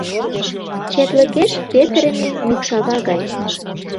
Четлыкеш петырыме мӱкшава гай.